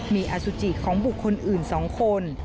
มีอสุจิของบุคคลอื่น๒คน